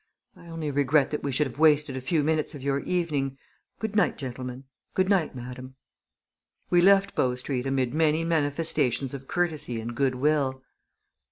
I only regret that we should have wasted a few minutes of your evening. Good night, gentlemen! Good night, madam!" We left Bow Street amid many manifestations of courtesy and good will.